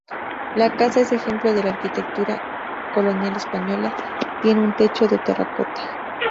La casa es ejemplo de la arquitectura colonial española; tiene un techo de Terracota.